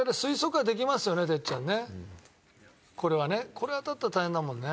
これ当たったら大変だもんね。